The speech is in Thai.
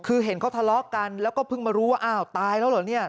คือเห็นเขาทะเลาะกันแล้วก็เพิ่งมารู้ว่าอ้าวตายแล้วเหรอเนี่ย